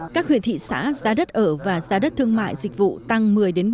các huyện thị xã giá đất ở và giá đất thương mại dịch vụ tăng một mươi một mươi